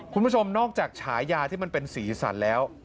คุณผู้ชมนอกจากฉายาที่มันเป็นสีสันแล้ว